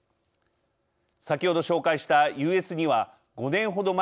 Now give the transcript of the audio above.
先ほど紹介したＵＳ−２は５年ほど前